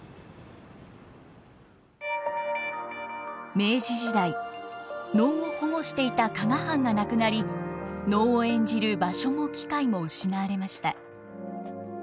明治時代能を保護していた加賀藩がなくなり能を演じる場所も機会も失われました。